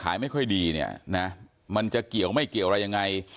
ขายไม่ค่อยดีเนี่ยนะมันจะเกี่ยวไม่เกี่ยวอะไรยังไง